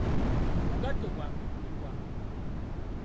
Obugatto byange buli wa?